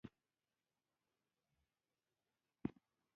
باد د تخمونو لیږد اسانوي